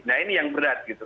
nah ini yang berat gitu